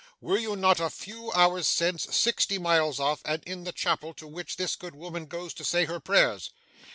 'Were you not a few hours since, sixty miles off, and in the chapel to which this good woman goes to say her prayers?